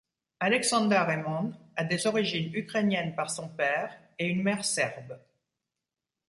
Aleksandar Hemon a des origines ukrainienne par son père, et une mère serbe.